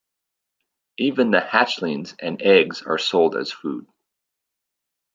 Even the hatchlings and eggs are sold as food.